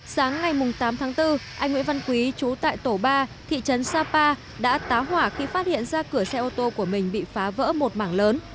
sáng ngày tám tháng bốn anh nguyễn văn quý chú tại tổ ba thị trấn sapa đã táo hỏa khi phát hiện ra cửa xe ô tô của mình bị phá vỡ một mảng lớn